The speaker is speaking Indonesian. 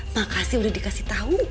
makasih udah dikasih tau